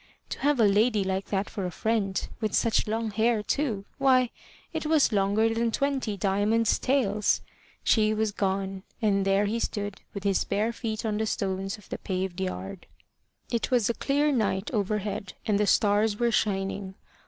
To have a lady like that for a friend with such long hair, too! Why, it was longer than twenty Diamonds' tails! She was gone. And there he stood, with his bare feet on the stones of the paved yard. It was a clear night overhead, and the stars were shining.